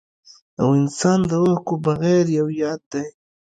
او انسان د اوښکو بغير يو ياد دی